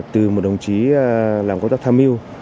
từ một đồng chí làm công tác tham mưu